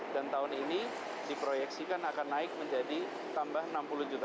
dan tahun ini diproyeksikan akan naik menjadi tambah enam puluh juta